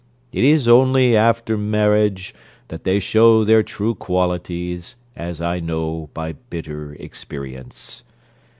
It is only after marriage that they show their true qualities, as I know by bitter experience.